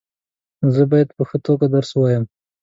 زه باید په ښه توګه درس وایم.